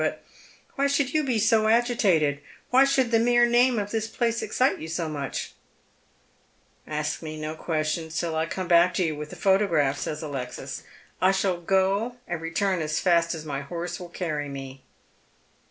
But why should you be so agitated ? "Why should the mere name of this place ex:cite you so much ?"" Ask me no questions till I come back to you with the photo giaph," says Alexis. " I shall go and retui n as fast as my horee will carry me."